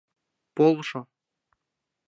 Полшо!